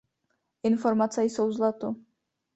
Informace jsou zlato.